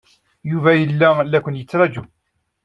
Yuba yella la ken-yettṛaju.